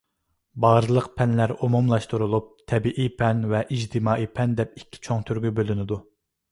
بارلىق پەنلەر ئومۇملاشتۇرۇلۇپ تەبىئىي پەن ۋە ئىجتىمائىي پەن دەپ ئىككى چوڭ تۈرگە بۆلۈنىدۇ.